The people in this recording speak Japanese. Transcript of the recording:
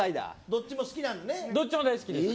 どっちも大好きです。